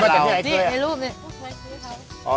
กุ้งมาซื้อเค้า